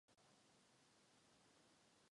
Ve vsi se nachází fotbalové hřiště.